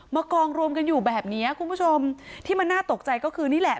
กองรวมกันอยู่แบบเนี้ยคุณผู้ชมที่มันน่าตกใจก็คือนี่แหละ